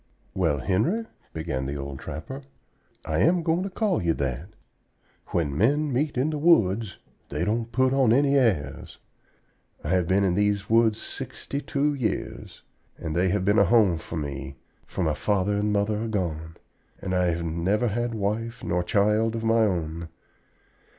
"Well, Henry," began the old trapper, "I am going to call you that. When men meet in the woods they don't put on any airs. I have been in these woods sixty two years, and they have been a home for me, for my father and mother are gone, and I have never had wife nor child of my own.